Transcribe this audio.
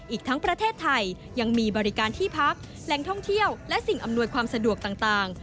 อีกทั้งประเทศไทยยังมีบริการที่พักแหล่งท่องเที่ยวและสิ่งอำนวยความสะดวกต่าง